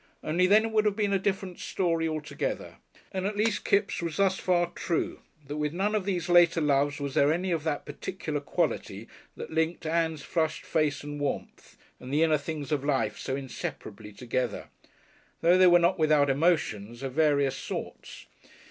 Only then it would have been a different story altogether. And at least Kipps was thus far true, that with none of these later loves was there any of that particular quality that linked Ann's flushed face and warmth and the inner things of life so inseparably together. Though they were not without emotions of various sorts.